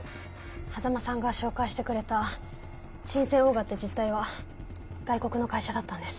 波佐間さんが紹介してくれた神饌オーガって実態は外国の会社だったんです。